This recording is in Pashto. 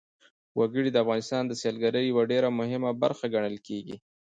وګړي د افغانستان د سیلګرۍ یوه ډېره مهمه برخه ګڼل کېږي.